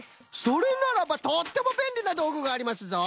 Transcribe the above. それならばとってもべんりなどうぐがありますぞ！